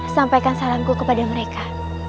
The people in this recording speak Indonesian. sampaikan salamku kepada mereka